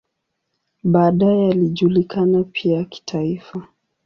Baadaye alijulikana pia kitaifa.